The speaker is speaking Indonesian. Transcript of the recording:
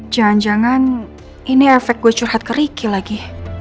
jangan jangan ini efek gue curhat keriki lagi